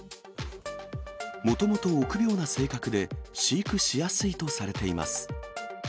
もともと臆病な性格で、飼育しやすいとされています。